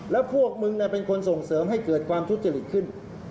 แล้วพวกมึงเป็นคนส่งเสริมให้เกิดความทุจริตขึ้น